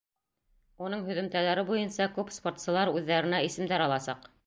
Уның һөҙөмтәләре буйынса күп спортсылар үҙҙәренә исемдәр аласаҡ.